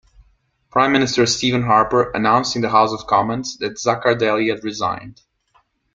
Prime Minister Stephen Harper announced in the House of Commons that Zaccardelli had resigned.